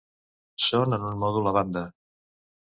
Són en un mòdul a banda.